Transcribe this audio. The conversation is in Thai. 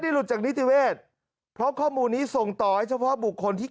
หลุดจากนิติเวศเพราะข้อมูลนี้ส่งต่อให้เฉพาะบุคคลที่